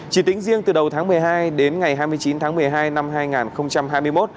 chỉ tính riêng từ đầu tháng một mươi hai đến ngày hai mươi chín tháng một mươi hai năm hai nghìn hai mươi một